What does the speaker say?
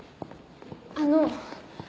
あの。